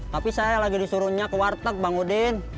tapi saya lagi disuruhnya ke warteg bang udin